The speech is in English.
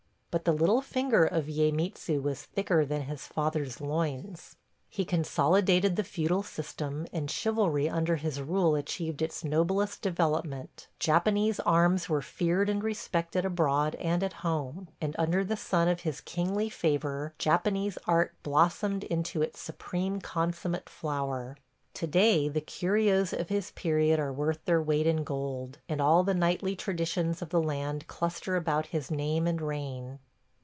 But the little finger of Ieymitsu was thicker than his father's loins. He consolidated the feudal system, and chivalry under his rule achieved its noblest development; Japanese arms were feared and respected abroad and at home; and under the sun of his kingly favor Japanese art blossomed into its supreme, consummate flower. To day the curios of his period are worth their weight in gold, and all the knightly traditions of the land cluster about his name and reign.